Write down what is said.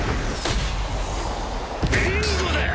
ビンゴだ！